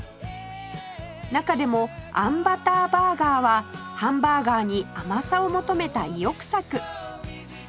中でもあんバターバーガーはハンバーガーに甘さを求めた意欲作